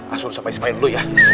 asur sama ismail dulu ya